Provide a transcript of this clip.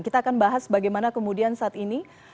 kita akan bahas bagaimana kemudian saat ini